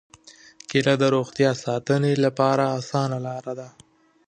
کېله د روغتیا ساتنې لپاره اسانه لاره ده.